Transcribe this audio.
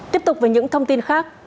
tiếp tục với những thông tin khác